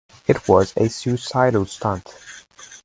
It was a suicidal stunt.